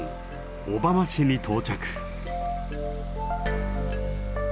小浜市に到着。